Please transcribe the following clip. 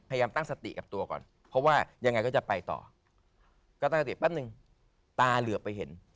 พยายามตั้งสติกับตัวก่อนเพราะว่ายังไงก็จะไปต่อก็แล้วก็นึงตาเลือกไปเห็น๓